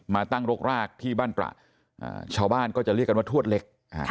มาตั้งรกรากที่บ้านตระชาวบ้านก็จะเรียกกันว่าทวดเล็ก